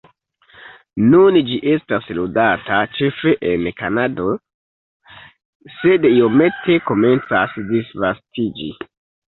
Nun ĝi estas ludata ĉefe en Kanado, sed iomete komencas disvastiĝi.